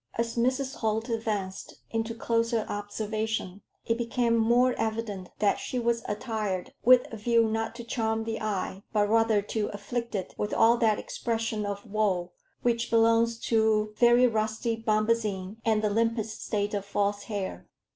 As Mrs. Holt advanced into closer observation, it became more evident that she was attired with a view not to charm the eye, but rather to afflict it with all that expression of woe which belongs to very rusty bombazine and the limpest state of false hair.